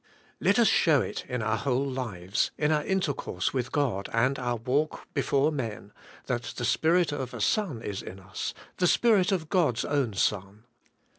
Let us show it in our whole lives, in our intercourse with God and our walk be fore men, that the spirit of a son is in us, the Spirit of God's own Son.